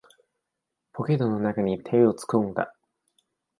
ポケットの中に手を突っ込んだ。